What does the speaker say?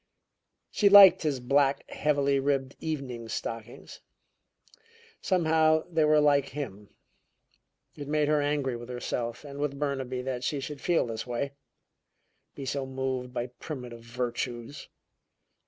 She liked his black, heavily ribbed evening stockings. Somehow they were like him. It made her angry with herself and with Burnaby that she should feel this way; be so moved by "primitive virtues."